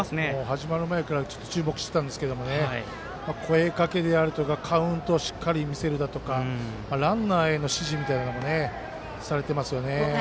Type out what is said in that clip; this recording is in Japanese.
始まる前からチームを見てたんですけど声かけであるとかカウントしっかり見せるだとかランナーへの指示みたいなのをされてますね。